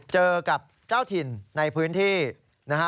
เจอกับเจ้าถิ่นในพื้นที่นะฮะ